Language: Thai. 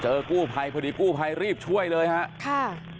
กู้ภัยพอดีกู้ภัยรีบช่วยเลยฮะค่ะ